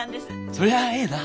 そりゃあええな。